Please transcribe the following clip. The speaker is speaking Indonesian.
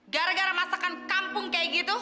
gara gara masakan kampung kayak gitu